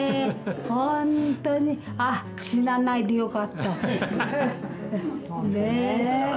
本当に死なないでよかったねぇ。